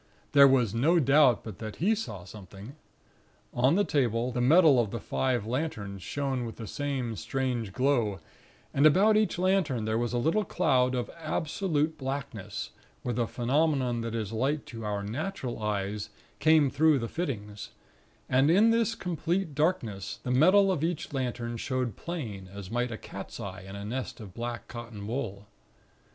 There was no doubt but that he saw something. On the table, the metal of the five lanterns shone with the same strange glow; and about each lantern there was a little cloud of absolute blackness, where the phenomenon that is light to our natural eyes, came through the fittings; and in this complete darkness, the metal of each lantern showed plain, as might a cat's eye in a nest of black cotton wool.